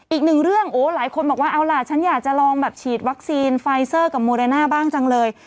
อีกหนึ่งเรื่องโอ้หลายคนบอกว่าเอาล่ะฉันอยากจะลองแบบฉีดวัคซีนไฟเซอร์กับโมเรน่าบ้างจังเลย